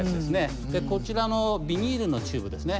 こちらのビニールのチューブですね。